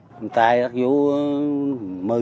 phân tài vô